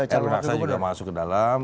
erwin naksa juga masuk ke dalam